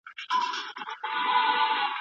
که بحث وکړو نو موضوع نه پټیږي.